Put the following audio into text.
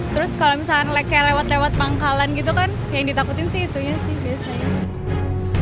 terus kalau misalnya lewat lewat pangkalan gitu kan yang ditakutin sih itunya sih biasanya